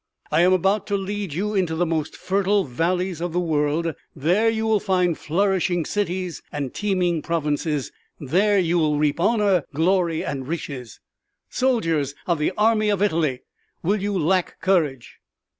I am about to lead you into the most fertile valleys of the world; there you will find flourishing cities and teeming provinces; there you will reap honor, glory and riches. Soldiers of the Army of Italy, will you lack courage?"